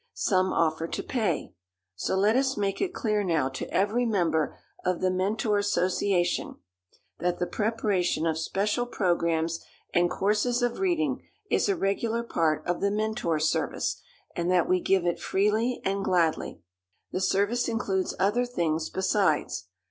Some offer to pay. So let us make it clear now to every member of The Mentor Association that the preparation of special programs and courses of reading is a regular part of The Mentor Service, and that we give it freely and gladly. The service includes other things besides.